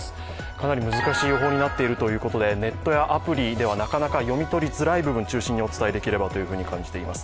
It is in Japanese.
かなり難しい予報になっているということでネットやアプリでは、なかなか読み取りづらい部分お伝えできればと思います。